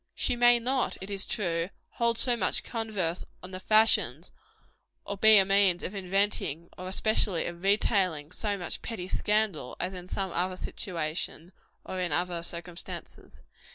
She may not, it is true, hold so much converse on the fashions or be a means of inventing, or especially of retailing, so much petty scandal as in some other situation, or in other circumstances.